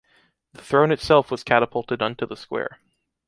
The throne itself was catapulted into the square.